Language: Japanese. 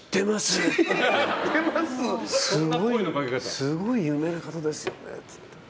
すごい有名な方ですよねって。